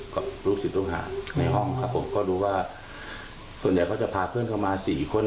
กับลูกศิษย์ลูกหาในห้องครับผมก็รู้ว่าส่วนใหญ่เขาจะพาเพื่อนเข้ามาสี่คน